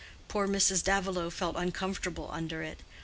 Poor Mrs. Davilow felt uncomfortable under it.